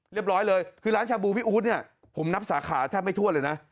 เรียบร้อยเลยคือร้านชาบูพี่อู๊ดเนี่ยผมนับสาขาแทบไม่ทั่วเลยนะ